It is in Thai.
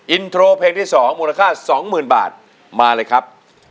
อินโทรเพลงที่๒มูลค่า๒๐๐๐บาทมาเลยครับ